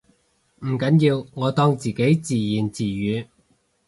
唔緊要，我當自己自言自語